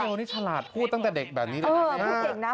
น้องเกลนี่ฉลาดพูดตั้งแต่เด็กแบบนี้เลยนะ